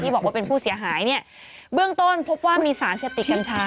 บอกว่าเป็นผู้เสียหายเนี่ยเบื้องต้นพบว่ามีสารเสพติดกัญชา